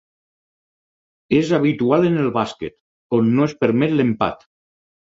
És habitual en el bàsquet, on no es permet l'empat.